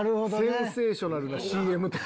センセーショナルなＣＭ。